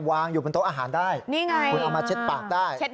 วางอยู่บนโต๊ะอาหารได้คุณเอามาเช็ดปากได้